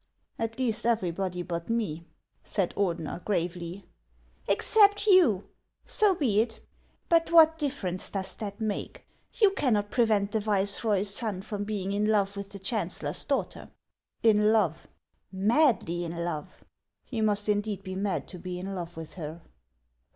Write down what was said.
" At least, everybody but me," said Ordener, gravely. " Except you ? So be it. But what difference does that make ? You cannot prevent the viceroy's son from being in love with the chancellor's daughter." " In love ?" "Madly in love !"" He must indeed be mad to be in love with her."